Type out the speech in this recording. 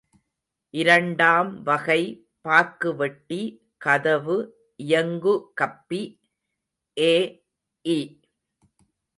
இரண்டாம் வகை பாக்கு வெட்டி, கதவு, இயங்குகப்பி, எ.இ.